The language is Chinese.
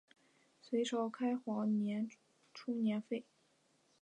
隋朝开皇初年废。